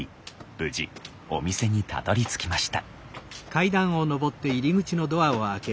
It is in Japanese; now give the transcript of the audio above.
無事お店にたどりつきました。